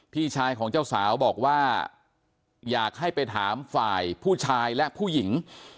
พี่ชายของเจ้าสาวบอกว่าอยากให้ไปถามฝ่ายผู้ชายและผู้หญิง